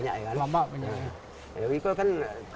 jawi yang dikebiri lebih lemak